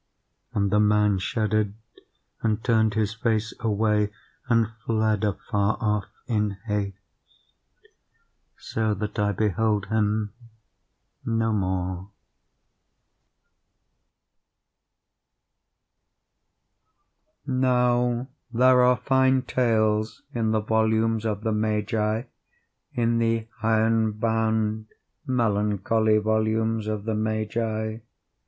And the man shuddered, and turned his face away, and fled afar off, in haste, so that I beheld him no more." Now there are fine tales in the volumes of the Magi—in the iron bound, melancholy volumes of the Magi.